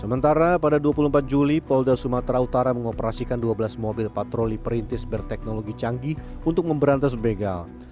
sementara pada dua puluh empat juli polda sumatera utara mengoperasikan dua belas mobil patroli perintis berteknologi canggih untuk memberantas begal